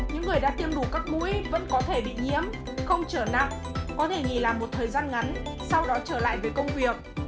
những người đã tiêm đủ các mũi vẫn có thể bị nhiễm không trở nặng có thể nghỉ làm một thời gian ngắn sau đó trở lại với công việc